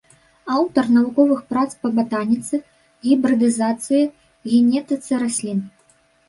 Аўтар навуковых прац па батаніцы, гібрыдызацыі, генетыцы раслін.